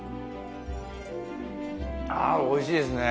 あおいしいですね。